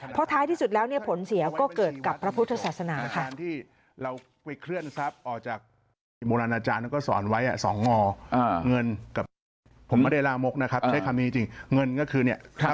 เพราะท้ายที่สุดแล้วเนี่ยผลเสียก็เกิดกับพระพุทธศาสนาค่ะ